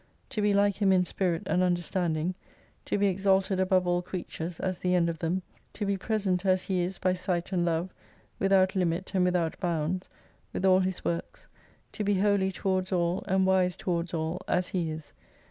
To be like Him in spirit and understanding, to be exalted above all creatures as the end of them, to be present as He is by sight and love, without limit and without bounds, with all His works, to be Holy towards all and wise towards all, as He is.